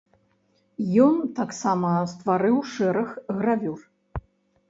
Ён таксама стварыў шэраг гравюр.